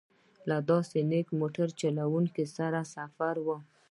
له داسې نېک موټر چلوونکي سره سفر و.